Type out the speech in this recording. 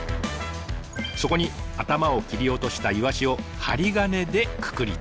そこに頭を切り落としたイワシを針金でくくりつけます。